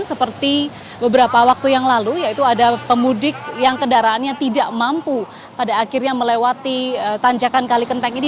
seperti beberapa waktu yang lalu yaitu ada pemudik yang kendaraannya tidak mampu pada akhirnya melewati tanjakan kalikenteng ini